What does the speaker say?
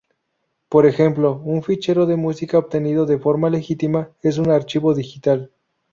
Por ejemplo un fichero de música obtenido de forma legítima es un activo digital.